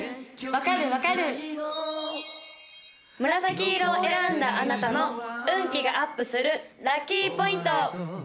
分かる分かる紫色を選んだあなたの運気がアップするラッキーポイント！